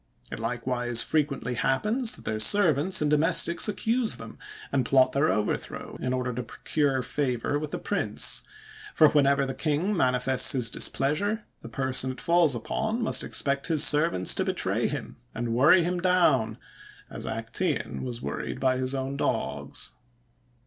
It likewise frequently happens that their servants and domestics accuse them, and plot their overthrow, in order to procure favor with the prince; for whenever the king manifests his displeasure, the person it falls upon must expect his servants to betray him, and worry him down, as Acteon was worried by his own dogs.